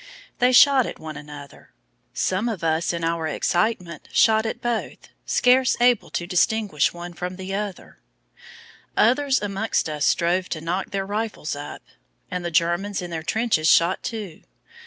They shot at one another. Some of us in our excitement shot at both, scarce able to distinguish one from the other. Others amongst us strove to knock their rifles up. And the Germans in their trenches shot too.